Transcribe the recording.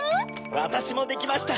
わたしもできました！